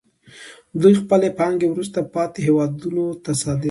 دوی خپلې پانګې وروسته پاتې هېوادونو ته صادروي